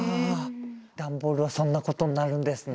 ダンボールはそんなことになるんですね。